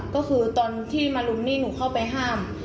ก็คือตอนที่มารุมนี่หนูเข้าไปห้าม